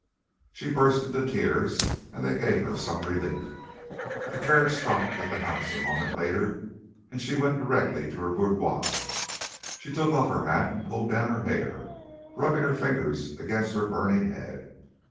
She burst into tears, and they gave her some relief. The carriage stopped at the house a moment later, and she went directly to her boudoir. She took off her hat and pulled down her hair, rubbing her fingers against her burning head.